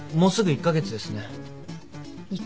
１カ月？